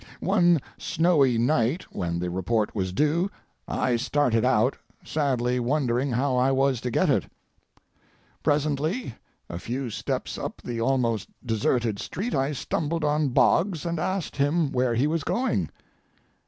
One snowy night, when the report was due, I started out, sadly wondering how I was to get it. Presently, a few steps up the almost deserted street, I stumbled on Boggs, and asked him where he was going.